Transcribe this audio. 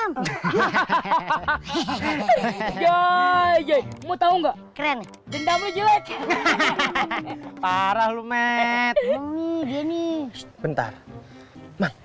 apa apa tau gak akilah sama ratu itu di jahit ya